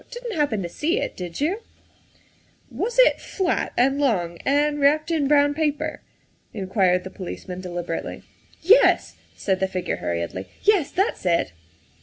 Didn 't happen to see it, did you ?'''' Was it flat and long and wrapped in brown paper ?'' inquired the policeman deliberately. '' Yes, '' said the figure hurriedly, '' yes, that 's it.